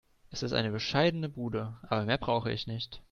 Es ist eine bescheidene Bude, aber mehr brauche ich nicht.